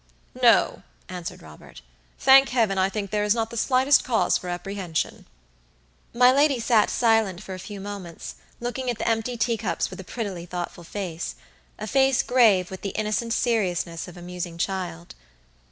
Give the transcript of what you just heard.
"No," answered Robert. "Thank Heaven, I think there is not the slightest cause for apprehension." My lady sat silent for a few moments, looking at the empty teacups with a prettily thoughtful facea face grave with the innocent seriousness of a musing child.